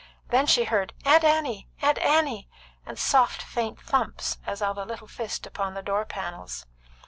Then she heard, "Aunt Annie! Aunt Annie!" and soft, faint thumps as of a little fist upon the door panels.